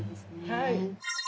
はい。